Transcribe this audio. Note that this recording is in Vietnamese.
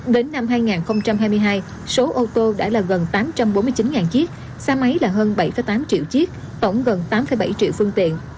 đến năm hai nghìn hai mươi hai số ô tô đã là gần tám trăm bốn mươi chín chiếc xe máy là hơn bảy tám triệu chiếc tổng gần tám bảy triệu phương tiện